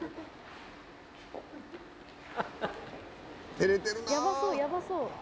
てれてるな。